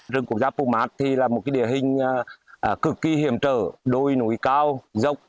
vườn quốc gia pumat là một địa hình cực kỳ hiểm trở đôi núi cao dốc